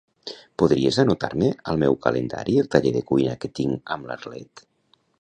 Podries anotar-me al meu calendari el taller de cuina que tinc amb l'Arlet?